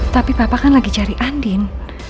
tapi papa kan lagi cari andin